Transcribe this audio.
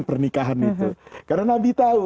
pernikahan itu karena nabi tahu